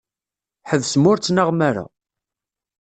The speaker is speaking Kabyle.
Ḥebsem ur ttnaɣem ara.